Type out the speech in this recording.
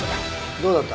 どうだった？